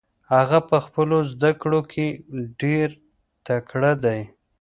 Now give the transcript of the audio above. هغه په خپلو زده کړو کې ډېر تکړه دی.